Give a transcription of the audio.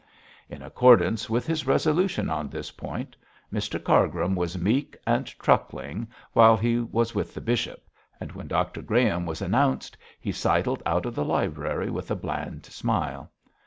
In accordance with his resolution on this point, Mr Cargrim was meek and truckling while he was with the bishop, and when Dr Graham was announced he sidled out of the library with a bland smile.